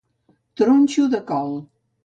Tronxo de col.